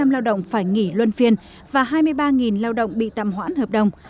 một trăm linh lao động phải nghỉ luân phiên và hai mươi ba lao động bị tạm hoãn hợp đồng